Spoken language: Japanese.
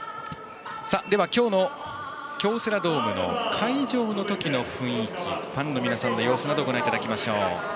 今日の京セラドームの開場の時の雰囲気ファンの皆さんの様子などをご覧いただきます。